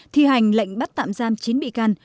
thi hành lệnh bắt tạm giam chín bị can